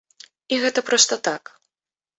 І гэта проста так.